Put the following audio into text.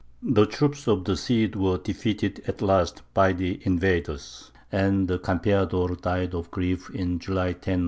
The troops of the Cid were defeated at last by the invaders; and the Campeador died of grief in July, 1099.